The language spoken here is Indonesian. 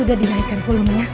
sudah dinaikkan volume nya